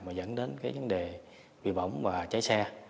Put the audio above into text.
mà dẫn đến cái vấn đề bị bỏng và cháy xe